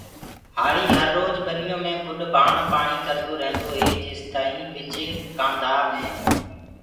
هآݪي هرروج ٻنيو مي گُڏ ڀآڻ پآڻي ڪردو ريهندوئي جيستآئين ٻج ڪآنڌآ مي